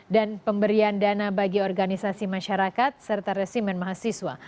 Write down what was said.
dan pemberian dana bagi organisasi masyarakat serta resimen mahasiswa